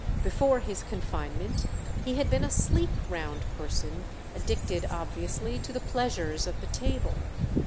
Before his confinement he had been a sleek round person, addicted obviously to the pleasures of the table.